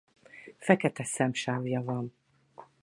Fekete szemsávja van.